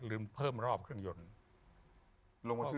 ลืมเพิ่มรอบเครื่องยนต์